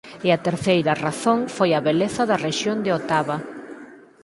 E a terceira razón foi a beleza da rexión de Otava.